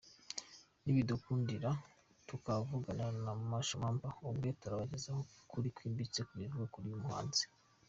Nibidukundira tukavugana na Masho Mampa ubwe ,turabagezaho ukuri kwimbitse ku bivugwa kuri uyu muhanzi.